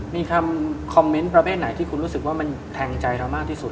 มีคำคอมเมนต์ประเภทไหนที่คุณรู้สึกว่ามันแทงใจเรามากที่สุด